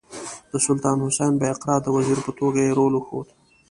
د سلطان حسین بایقرا د وزیر په توګه یې رول وښود.